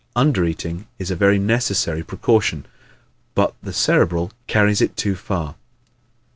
Under eating is a very necessary precaution but the Cerebral carries it too far.